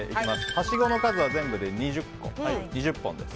はしごの数は全部で２０本です。